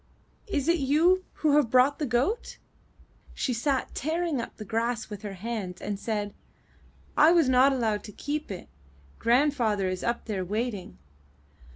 Is it you who have brought the goat?" She sat tearing up the grass with her hands and said: '*I was not allowed to keep it; grandfather is up there waiting.